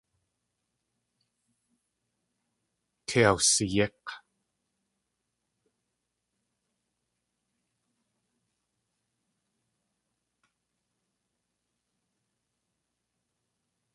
Kei awsiyík̲.